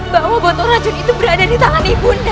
bahwa botol racun itu berada di tangan ibunda